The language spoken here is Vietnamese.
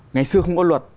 ngày xưa không có luật